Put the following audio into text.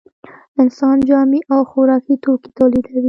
انسان جامې او خوراکي توکي تولیدوي